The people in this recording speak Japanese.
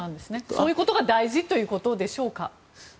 そういうことが大事ということでしょうか？